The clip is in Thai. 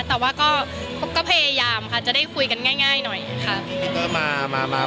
แต่ว่าก็พยายามค่ะจะได้คุยกันง่ายหน่อยค่ะ